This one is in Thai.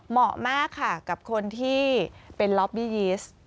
เหมาะมากค่ะกับคนที่เป็นล็อบบี้ยีสต์